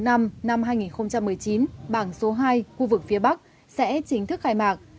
năm hai nghìn một mươi chín bảng số hai khu vực phía bắc sẽ chính thức khai mạc